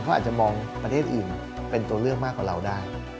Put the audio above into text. เขาอาจจะมองประเทศอื่นเป็นตัวเลือกมากกว่าเราได้